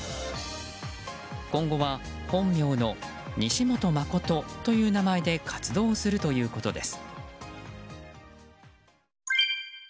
今後は本名の西本誠という名前で活動をするということです。